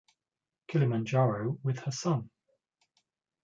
Kilimanjaro with her son.